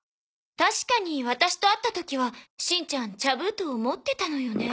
確かにワタシと会った時はしんちゃん茶封筒を持ってたのよね。